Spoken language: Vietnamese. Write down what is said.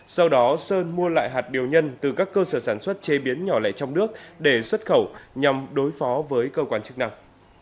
sau đó sơn mua lại hạt điều nhân từ các cơ sở sản xuất chế biến nhỏ lẻ trong nước để xuất khẩu nhằm đối phó với cơ quan chức năng